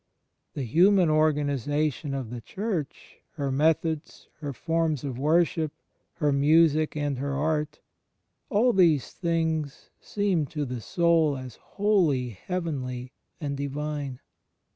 The human organization of the Church, her methods, her forms of worship, her music and her art — all these things seem to the soid as wholly heavenly and divine.